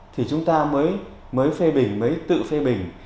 thì chúng ta mới phê bình mới tự phê bình